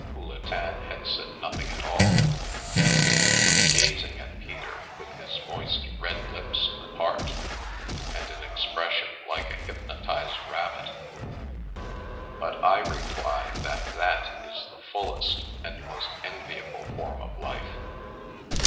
Poule tin had said nothing at all, and was gazing at Peter with his moist, red lips apart, and an expression like a hypnotised rabbit — "but I reply that that is the fullest and most enviable form of life.